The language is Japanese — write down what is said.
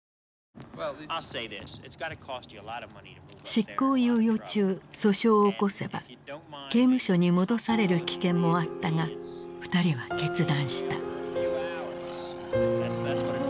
執行猶予中訴訟を起こせば刑務所に戻される危険もあったが二人は決断した。